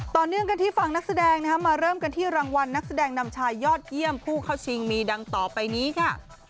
ต่อเนื่องกันที่ฝั่งนักแสดงมาเริ่มกันที่รางวัลนักแสดงนำชายยอดเยี่ยมผู้เข้าชิงมีดังต่อไปนี้ค่ะ